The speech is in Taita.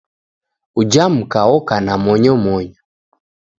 Uja mka oka na monyomonyo